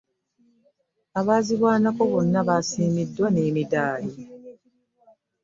Abaazirwanako bonna baasiimiddwa n'emidaali.